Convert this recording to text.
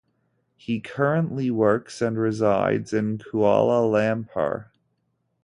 He currently works and resides in Kuala Lumpur.